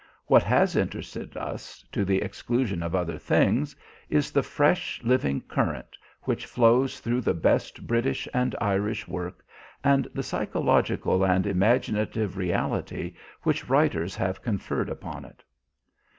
What has interested us, to the exclusion of other things, is the fresh living current which flows through the best British and Irish work, and the psychological and imaginative reality which writers have conferred upon it.